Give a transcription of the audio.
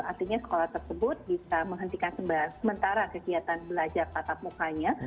artinya sekolah tersebut bisa menghentikan sementara kegiatan belajar tatap mukanya